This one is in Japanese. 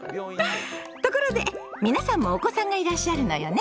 ところで皆さんもお子さんがいらっしゃるのよね。